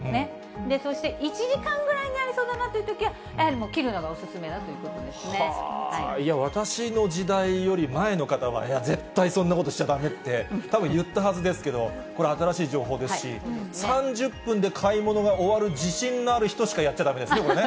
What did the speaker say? そして１時間ぐらいになりそうだなというときには、やはり切るのいや、私の時代より前の方は、絶対そんなことしちゃだめって、たぶん言ったはずですけれども、これ、新しい情報ですし、３０分で買い物が終わる自信のある人しかやっちゃだめですね、そうですね。